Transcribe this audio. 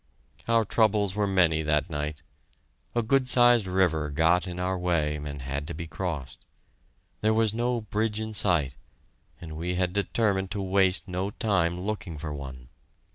Our troubles were many that night. A good sized river got in our way and had to be crossed. There was no bridge in sight, and we had determined to waste no time looking for one.